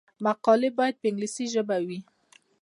مقالې باید په انګلیسي ژبه وي.